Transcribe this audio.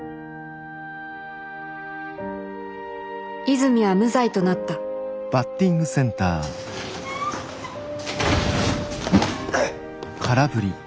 泉は無罪となったふっ！